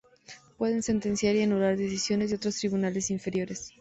Pueden sentenciar y anular decisiones de otros tribunales inferiores.